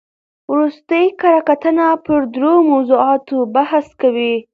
ورستۍ کره کتنه پر درو موضوعاتو بحث کوي.